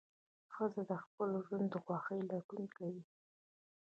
ښځه د خپل ژوند د خوښۍ لټون کوي.